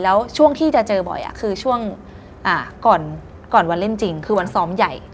แล้วช่วงที่จะเจอบ่อยคือช่วงก่อนวันเล่นจริงคือวันซ้อมใหญ่